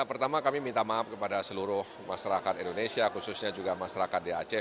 pertama kami minta maaf kepada seluruh masyarakat indonesia khususnya juga masyarakat di aceh